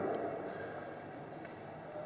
butuh waktu untuk menyiapkan kapal tersebut